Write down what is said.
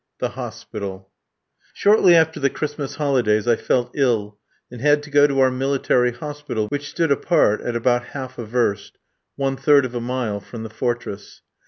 THE HOSPITAL Shortly after the Christmas holidays I felt ill, and had to go to our military hospital, which stood apart at about half a verst (one third of a mile) from the fortress.